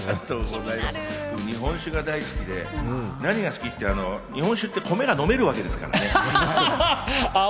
日本酒が大好きで、日本酒って何が大好きって、米が飲めるわけですからね。